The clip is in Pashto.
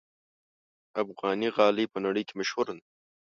افغاني غالۍ په نړۍ کې مشهوره ده.